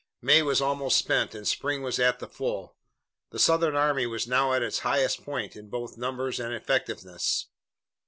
May was almost spent and spring was at the full. The Southern army was now at its highest point in both numbers and effectiveness.